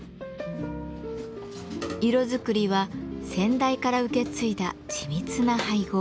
色作りは先代から受け継いだ緻密な配合。